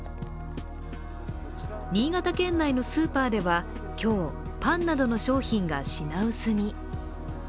新潟県内のスーパーでは今日、パンなどの商品が品薄に。